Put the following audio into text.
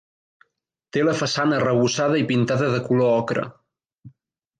Té la façana arrebossada i pintada de color ocre.